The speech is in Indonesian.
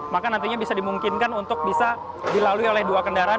maka nantinya bisa dimungkinkan untuk bisa dilalui oleh dua kendaraan